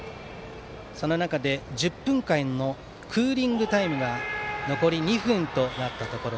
その中で１０分間のクーリングタイムが残り２分近くとなりました。